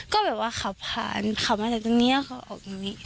ก็แบบว่าขับผ่านขับมาจากตรงนี้เขาออกตรงนี้